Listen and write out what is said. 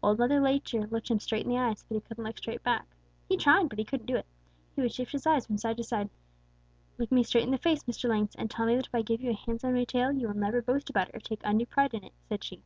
Old Mother Nature looked him straight in the eyes, but he couldn't look straight back. He tried, but he couldn't do it. He would shift his eyes from side to side. "'Look me straight in the face, Mr. Lynx, and tell me that if I give you a handsome new tail, you will never boast about it or take undue pride in it,' said she.